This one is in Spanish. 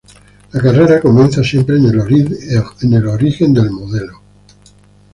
La carrera comienza siempre en el origen del modelo.